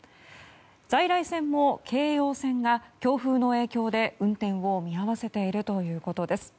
在来線も京葉線が強風の影響で運転を見合わせているということです。